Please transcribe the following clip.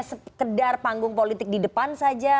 sekedar panggung politik di depan saja